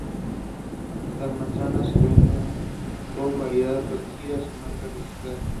Las manzanas se venden como variedad protegida y marca registrada.